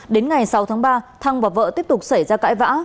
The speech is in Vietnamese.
đến ngày sáu tháng ba thăng và vợ tiếp tục xảy ra cãi vã